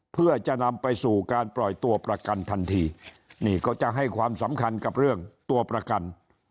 เพื่อจะนำไปสู่การปล่อยตัวประกันทันทีนี่ก็จะให้ความสำคัญกับเรื่องตัวประกัน